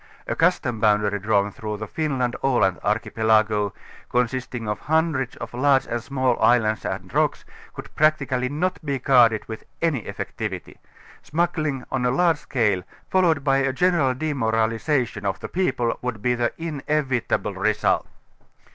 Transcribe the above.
A custom boundary drawn through the Finland ŌĆö Aland archipelago, consisting of hun dreds of large and small islands and rocks, could practically ^_Jiot be guarded with any effectivity; smuggling on a large I fscale, followed by a general demoralization of the people, I /would be the inevitable result.